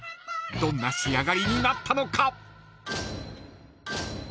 ［どんな仕上がりになったのか？］